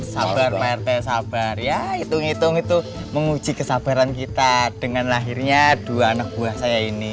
sabar prt sabar ya hitung hitung itu menguji kesabaran kita dengan lahirnya dua anak buah saya ini